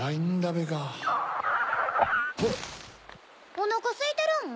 おなかすいてるん？